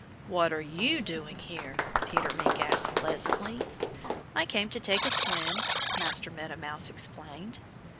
"What are you doing here?" Peter Mink asked pleasantly. "I came to take a swim," Master Meadow Mouse explained.